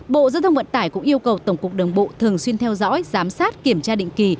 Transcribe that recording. bộ giao thông vận tải cũng yêu cầu tổng cục đường bộ thường xuyên theo dõi giám sát kiểm tra định kỳ